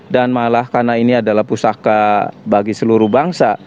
dan malah karena ini adalah pusaka bagi seluruh bangsa